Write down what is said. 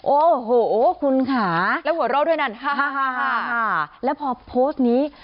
โอ้โหคุณค่ะแล้วหัวเราะด้วยนั่นค่ะฮ่าฮ่าค่ะแล้วพอโพสต์นี้